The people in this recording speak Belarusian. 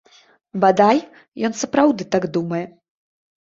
Бадай, ён сапраўды так думае.